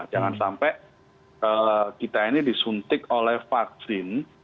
jangan sampai kita ini disuntik oleh vaksin